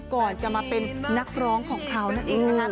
ก่อนจะมาเป็นนักร้องของเขานั่นเองนะคะ